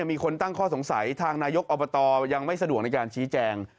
มีคนตั้งข้อสงสัยทางนายกอบตยังไม่สะดวกในการชี้แจง